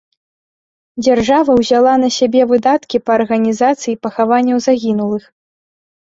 Дзяржава ўзяла на сябе выдаткі па арганізацыі пахаванняў загінулых.